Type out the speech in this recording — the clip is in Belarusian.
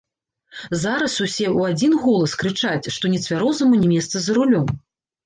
Зараз усе ў адзін голас крычаць, што нецвярозаму не месца за рулём.